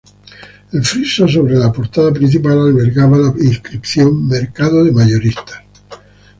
El friso, sobre la portada principal, albergaba la inscripción: "Mercado de Mayoristas".